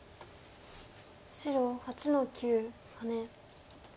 白８の九ハネ。